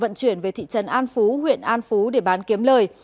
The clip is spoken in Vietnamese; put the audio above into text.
vận chuyển về thị trấn an phú huyện an phú để bán kiếm lời